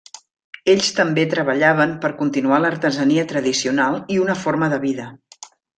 Ells també treballaven per continuar l'artesania tradicional i una forma de vida.